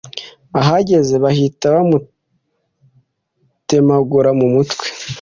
ahageze bahita bamutemagura mu mutwe